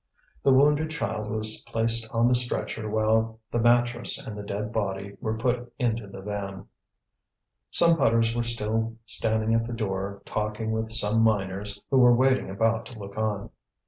The wounded child was placed on the stretcher while the mattress and the dead body were put into the van. Some putters were still standing at the door talking with some miners who were waiting about to look on.